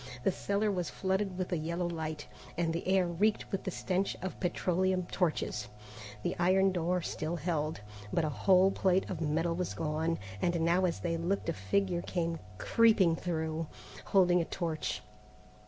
The cellar was flooded with a yellow light, and the air reeked with the stench of petroleum torches. The iron door still held, but a whole plate of metal was gone, and now as they looked a figure came creeping through, holding a torch.